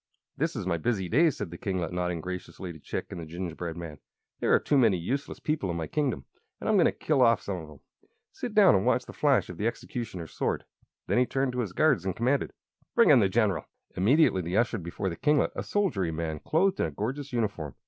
"This is my busy day," said the kinglet, nodding graciously to Chick and the gingerbread man. "There are too many useless people in my kingdom, and I'm going to kill off some of them. Sit down and watch the flash of the executioner's sword." Then he turned to his guards and commanded: "Bring in the General." Immediately they ushered before the kinglet a soldierly man clothed in a gorgeous uniform.